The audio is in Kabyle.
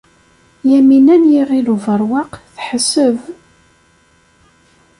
Yamina n Yiɣil Ubeṛwaq teḥseb.